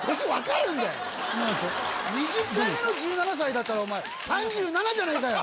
２０回目の１７歳だったらお前３７じゃねえかよ。